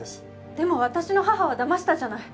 でも私の母は騙したじゃない！